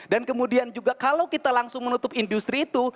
dan kemudian juga kalau kita langsung menutup industri itu